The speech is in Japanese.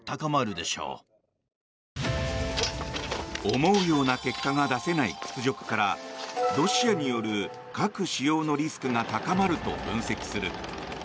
思うような結果が出せない屈辱からロシアによる核使用のリスクが高まると分析する。